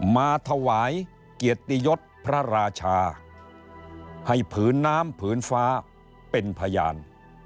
มาถวายเกียรติยศพระราชาให้ผืนน้ำผืนฟ้าเป็นพยาน